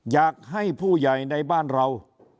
อยากให้ผู้ใหญ่ในบ้านเรา